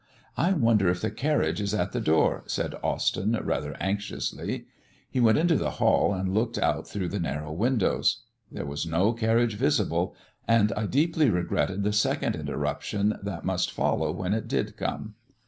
"I wonder if the carriage is at the door," said Austyn, rather anxiously. He went into the hall and looked out through the narrow windows. There was no carriage visible, and I deeply regretted the second interruption that must follow when it did come.